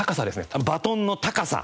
あっバトンの高さ！